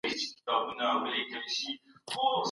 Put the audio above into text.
ديني ادب پند، نصيحت او اخلاق لري.